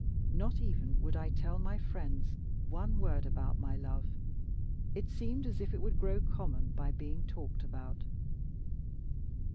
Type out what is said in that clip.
Not even would I tell my friends one word about my love; it seemed as if it would grow common by being talked about.